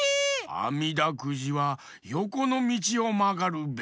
あみだくじはよこのみちをまがるべし！